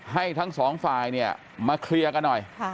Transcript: ทั้งสองฝ่ายเนี่ยมาเคลียร์กันหน่อย